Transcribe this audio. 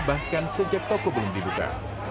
bahkan sejak toko belum dibuka